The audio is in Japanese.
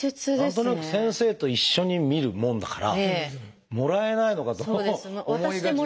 何となく先生と一緒に見るものだからもらえないのかと思いがちですけど。